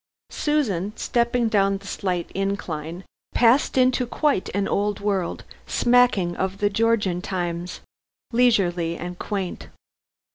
Susan, stepping down the slight incline, passed into quite an old world, smacking of the Georgian times, leisurely and quaint.